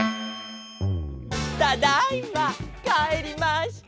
ただいまかえりました！